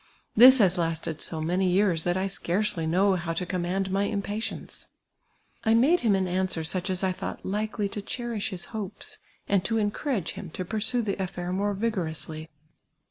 This has lasted so many veal's, that I scarce! v know how to command my impatience." I made him an answer such as I thouffht likely to cherisli his hopes, and to encouraj;c him to pursue the atiair more vigorously.